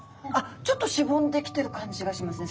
ちょっとしぼんできてる感じがしますね。